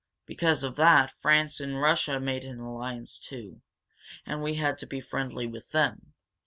Because of that France and Russia made an alliance, too, and we had to be friendly with them.